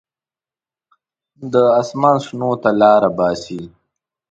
د اسمان شنو ته لاره باسي.